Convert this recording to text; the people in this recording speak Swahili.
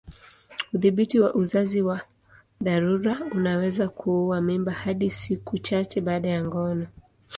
Udhibiti wa uzazi wa dharura unaweza kuua mimba hadi siku chache baada ya ngono.